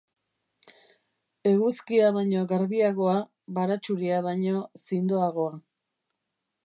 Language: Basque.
Eguzkia baino garbiagoa, baratxuria baino zindoagoa.